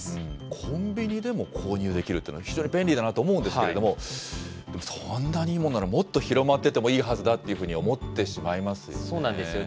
コンビニでも購入できるというのは、非常に便利だなと思うんですけれども、そんなにいいものなら、もっと広まっててもいいはずだっていうふうに思ってしまいますよね。